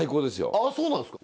あそうなんですか？